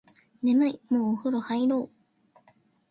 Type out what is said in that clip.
眠いもうお風呂入ろう